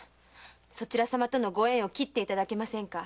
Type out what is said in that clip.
そちらさまとのご縁を切っていただけませんか。